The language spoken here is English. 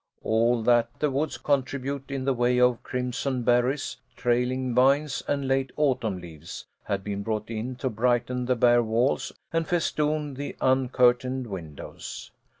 All that the woods could contribute in the way of crimson berries, trailing vines, and late autumn leaves, had been brought in to brighten the bare walls and festoon the uncurtained windows.